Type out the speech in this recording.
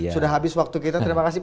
sudah habis waktu kita terima kasih